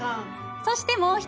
そしてもう１つ。